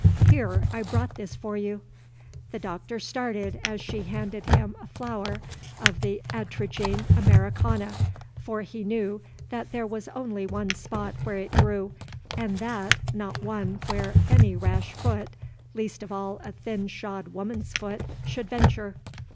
Here, I brought this for you." The Doctor started as she handed him a flower of the Atragene Americana, for he knew that there was only one spot where it grew, and that not one where any rash foot, least of all a thin shod woman's foot, should venture.